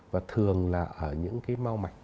và thường là ở những cái mau mạch